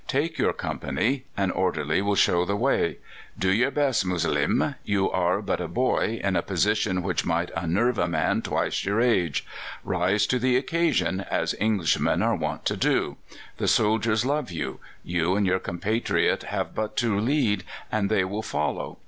Take your company; an orderly will show the way. Do your best, Mulazim. You are but a boy, in a position which might unnerve a man twice your age. Rise to the occasion, as Englishmen are wont to do. The soldiers love you. You and your compatriot have but to lead, and they will follow.